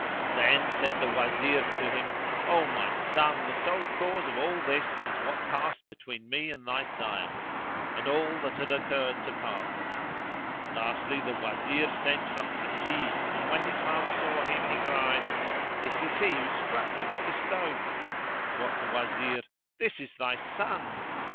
Then said the Wazir to him, "O my son, the sole cause of all this is what passed between me and thy sire;" and he told him the manner of his father wayfaring to Bassorah and all that had occurred to part them. Lastly the Wazir sent for Ajib; and when his father saw him he cried, "And this is he who struck me with the stone!" Quoth the Wazir, "This is thy son!"